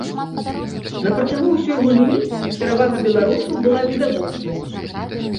На працягу ўсёй гульні перавага беларусаў была відавочнай.